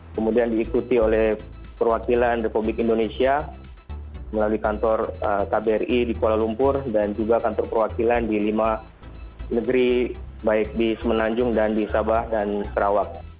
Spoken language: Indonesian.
kemudian diikuti oleh perwakilan republik indonesia melalui kantor kbri di kuala lumpur dan juga kantor perwakilan di lima negeri baik di semenanjung dan di sabah dan sarawak